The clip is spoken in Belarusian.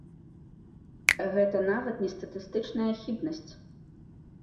Гэта нават не статыстычная хібнасць.